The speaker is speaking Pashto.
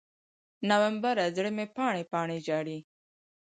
نومبره، زړه مې پاڼې، پاڼې ژاړي